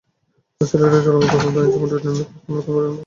তাই সিনেটের চলমান তদন্তে আইনসভার নিম্নকক্ষ নতুন করে নাক গলাবে না।